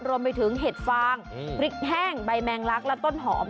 รวมไปถึงเห็ดฟางพริกแห้งใบแมงลักและต้นหอม